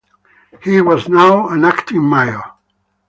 He was now an Acting Major.